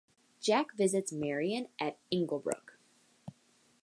Jack visits Marian at Inglebrook.